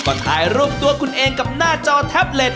ก็ถ่ายรูปตัวคุณเองกับหน้าจอแท็บเล็ต